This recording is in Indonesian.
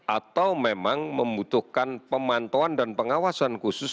atau memang membutuhkan pemantauan dan pengawasan khusus